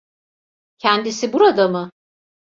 Kendisi burada mı?